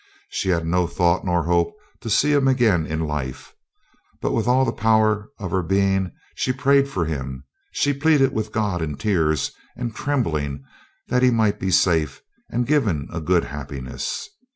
She had no thought nor hope to see him again in life, but with all the poM'er of her being she prayed for him, she pleaded with God in tears and trembling that he might be safe and given a good happiness.